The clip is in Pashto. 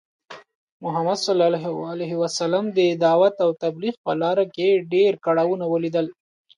محمد ص د دعوت او تبلیغ په لاره کې ډی کړاوونه ولیدل .